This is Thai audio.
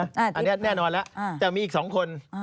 อันนี้แน่นอนแล้วจะมีอีก๒คน